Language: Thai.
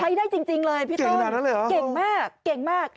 ใช้ได้จริงเลยพี่ต้นเก่งมาก